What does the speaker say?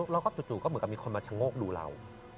เราก็จุดเหมือนกับมีคนมาชะโง่ดูเรา